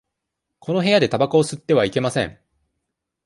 この部屋でたばこを吸ってはいけません。